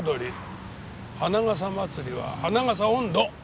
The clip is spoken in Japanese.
花笠祭りは『花笠音頭』！